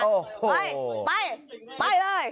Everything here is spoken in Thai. เฮ้ยไปไปเลย